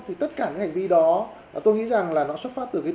thì tất cả những hành vi đó tôi nghĩ rằng là nó xuất phát từ cái tâm hồn